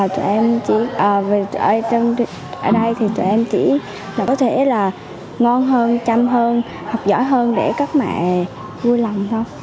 tụi em chỉ ở đây thì tụi em chỉ có thể là ngon hơn chăm hơn học giỏi hơn để các mẹ vui lòng thôi